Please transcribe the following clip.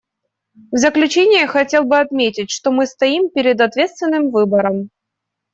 В заключение хотел бы отметить, что мы стоим перед ответственным выбором.